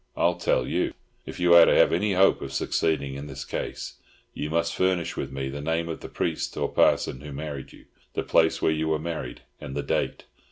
I'll tell you. If you are to have any hope of succeeding in this case, you must furnish me with the name of the priest or parson who married you, the place where you were married, and the date.